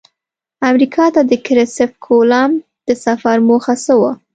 امریکا ته د کرسف کولمب د سفر موخه څه وه؟